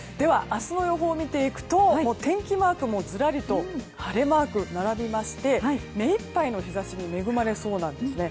明日の予報を見ていくと天気マークもずらりと晴れマーク並びましてめいっぱいの日差しに恵まれそうなんですね。